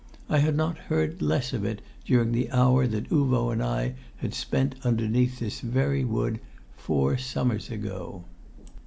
I had not heard less of it during the hour that Uvo and I had spent underneath this very wood, four summers ago!